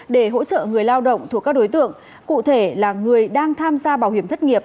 để hỗ trợ người lao động thuộc các đối tượng cụ thể là người đang tham gia bảo hiểm thất nghiệp